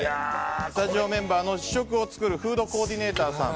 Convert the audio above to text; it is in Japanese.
スタジオメンバーの試食を作るフードコーディネーターさん。